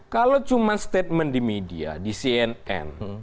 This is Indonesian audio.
kalau cuma statement di media di cnn